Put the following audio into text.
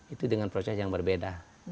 itu dengan proses yang berbeda